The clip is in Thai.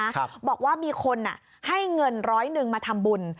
บอกว่ามีคนอ่ะให้เงินร้อยหนึ่งมาทำบุญ